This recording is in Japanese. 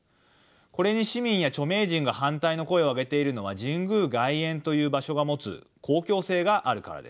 これに市民や著名人が反対の声を上げているのは神宮外苑という場所が持つ公共性があるからです。